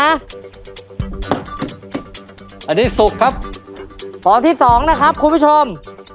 อันนี้สุกครับฟองที่สองนะครับคุณผู้ชม